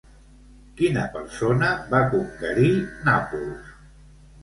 Quina persona va conquerir Nàpols?